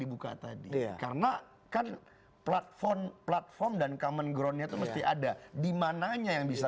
dibuka tadi karena kan platform platform dan common groundnya itu mesti ada dimananya yang bisa